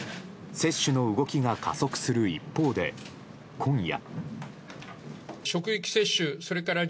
接種の動きが加速する一方で今夜。